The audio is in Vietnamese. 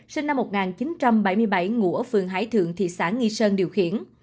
sinh năm một nghìn chín trăm bảy mươi bảy ngụ ở phường hải thượng thị xã nghi sơn điều khiển